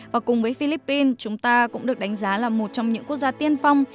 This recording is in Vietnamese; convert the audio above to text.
và cùng với philippines chúng ta cũng được đánh giá là một trong những quốc gia tiên phong